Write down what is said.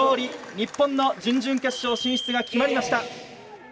日本の準々決勝進出が決まりました。